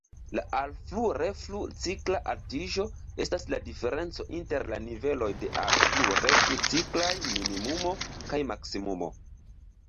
La "alflu-reflu-cikla altiĝo" estas la diferenco inter la niveloj de alflu-reflu-ciklaj minimumo kaj maksimumo.